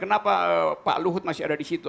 menerangkan kenapa pak luhut masih ada disitu